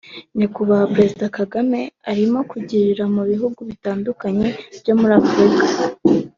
Nyakubahwa Presida Kagame arimo kugirira mu bihugu bitandukanye byo muri Afrika